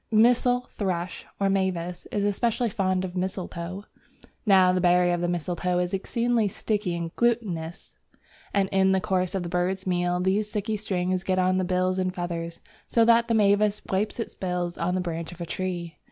Missel thrush (or mavis) is especially fond of the mistletoe. Now the berry of the mistletoe is exceedingly sticky and glutinous, and in the course of the bird's meal these sticky strings get on to the bill and feathers, so that the mavis wipes its bill on the branch of a tree.